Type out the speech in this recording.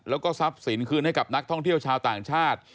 แล้วก็ทรัพย์สินคืนให้กับนักท่องเที่ยวชาวต่างชาติ